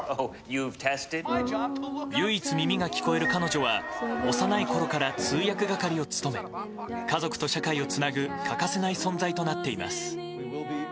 唯一耳が聞こえる彼女は幼いころから通訳係を務め家族と社会をつなぐ欠かせない存在となっています。